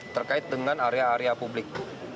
terkait dengan area area publik